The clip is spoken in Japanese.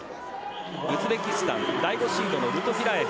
ウズベキスタン第５シードのルトフィラエフ。